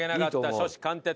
初志貫徹。